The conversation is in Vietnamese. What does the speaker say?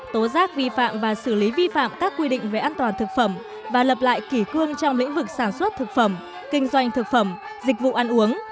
tố giác vi phạm và xử lý vi phạm các quy định về an toàn thực phẩm và lập lại kỷ cương trong lĩnh vực sản xuất thực phẩm kinh doanh thực phẩm dịch vụ ăn uống